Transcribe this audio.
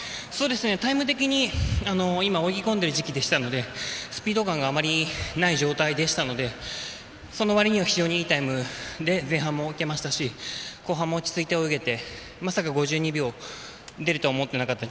タイム的に今、泳ぎ込んでいる時期でしたのでスピード感があまりない感じでしたのでその割には非常にいいタイムで前半も泳げましたし後半も落ち着いて泳げてまさか５２秒出るとは思ってなかった。